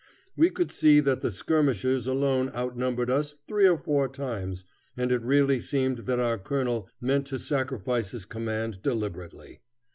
We could see that the skirmishers alone outnumbered us three or four times, and it really seemed that our colonel meant to sacrifice his command deliberately.